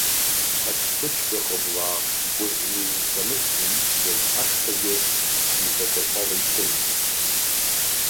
Аспычка хыблаах гәаӷьны иузкамыршәуа ицқьаз ашҭагьы мза шәахәала иҭәын.